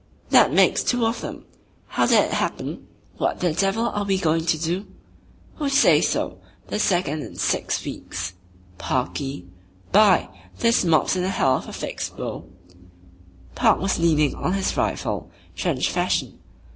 That makes two of them!" "How did it happen?" "What the devil are we goin' to do?" "Who says so?" "The second in six weeks!" "Parkie." "By ! This mob's in a Hell of a fix, Bo'." Park was leaning on his rifle, trench fashion.